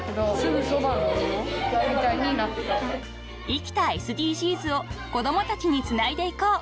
［生きたＳＤＧｓを子供たちにつないでいこう！］